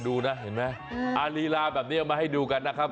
ไม่แน่เหมือนกันอันฤลามาให้ดูกันนะครับ